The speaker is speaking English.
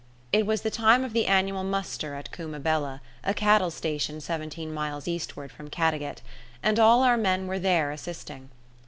It was the time of the annual muster at Cummabella a cattle station seventeen miles eastward from Caddagat and all our men were there assisting.